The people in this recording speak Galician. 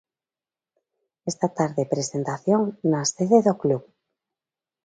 Esta tarde presentación na sede do club.